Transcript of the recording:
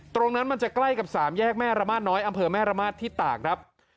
ตรงนั้นมันจะใกล้กับสามแยกแม่ระมาทน้อยอำเภอแม่ระมาทที่ตากครับ